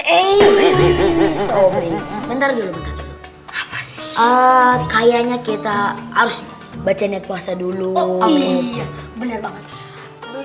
eh bentar dulu bentar kayaknya kita harus baca niat puasa dulu bener banget